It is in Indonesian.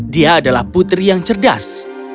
dia adalah putri yang cerdas